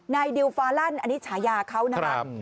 นายเดีลฟานัดอันนี้ฉายาเขานะคะ